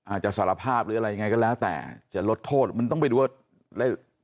สารภาพหรืออะไรยังไงก็แล้วแต่จะลดโทษมันต้องไปดูว่า